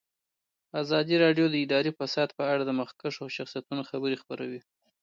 ازادي راډیو د اداري فساد په اړه د مخکښو شخصیتونو خبرې خپرې کړي.